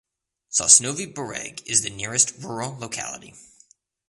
Sosnovy Bereg is the nearest rural locality.